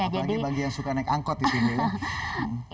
apalagi bagi yang suka naik angkot di sini ya